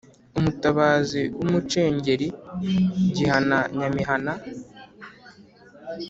umutabazi w’Umucengeri Gihana Nyamihana